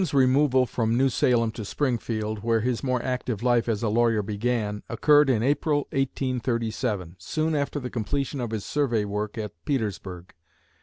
Lincoln's removal from New Salem to Springfield, where his more active life as a lawyer began, occurred in April, 1837, soon after the completion of his survey work at Petersburg.